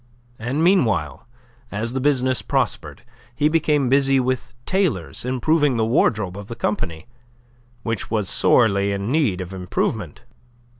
And meanwhile as the business prospered, he became busy with tailors, improving the wardrobe of the company, which was sorely in need of improvement.